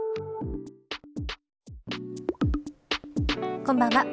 こんばんは。